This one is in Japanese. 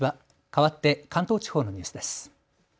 かわって関東地方のニュースです。